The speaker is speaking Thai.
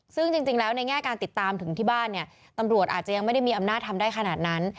ซึ่งจริงแล้วในแง่การติดตามถึงที่บ้านเนี่ยตำรวจอาจจะยังไม่ได้มีอำนาจทำได้ขนาดนั้น